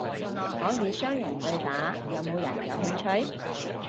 可以雙人對打，有冇人有興趣？